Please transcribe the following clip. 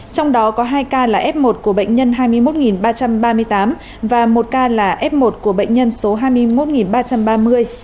trong đó có hai ca là f một của bệnh nhân hai mươi một ba trăm ba mươi tám và một ca là f một của bệnh nhân số hai mươi một ba trăm ba mươi